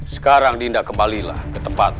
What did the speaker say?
sekarang dinda kembalilah ke tempatmu